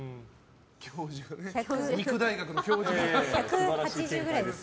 肉大学の教授がね。